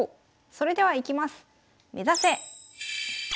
それではいきます。